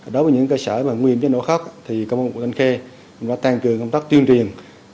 đối với những cơ sở nguy hiểm chất nổ khắc thì công an quận thanh khê đã tăng cường công tác tuyên truyền